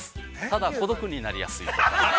ただ、孤独になりやすい。